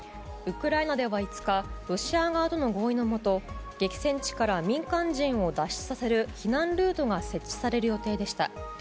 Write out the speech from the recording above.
ウクライナでは５日ロシア側との合意のもと激戦地から民間人を脱出させる避難ルートが設置される予定でした。